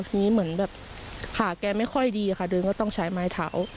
ทีนี้เหมือนแบบขาแกไม่ค่อยดีค่ะเดินก็ต้องใช้ไม้เท้า